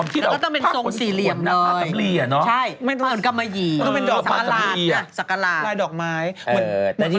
ใช่เหมือนกำมะหยี่สัฮาราช